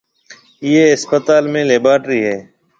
ايئيَ اسپتال ۾ ليبارٽرِي ھيََََ